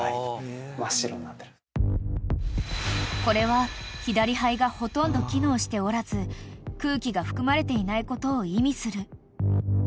［これは左肺がほとんど機能しておらず空気が含まれていないことを意味する］